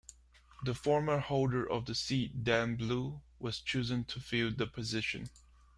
The former holder of the seat, Dan Blue, was chosen to fill the position.